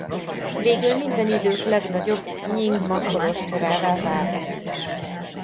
Végül minden idők legnagyobb Nyingma kolostorává vált.